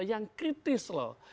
yang kritis loh